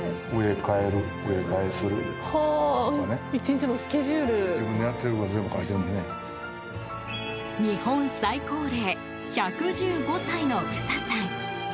日本最高齢１１５歳のフサさん。